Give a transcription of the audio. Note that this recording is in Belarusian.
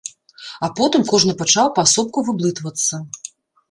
А потым кожны пачаў паасобку выблытвацца.